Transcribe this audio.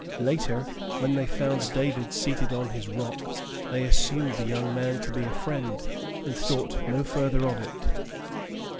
Later, when they found David seated on his rock, they assumed the young man to be a friend, and thought no further of it.